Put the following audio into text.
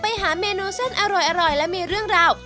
ไปหาเมนูเส้นอร่อยและมีเรื่องราว